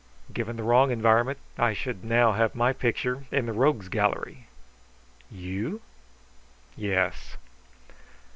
Given the wrong environment, I should now have my picture in the Rogues' Gallery." "You?" "Yes."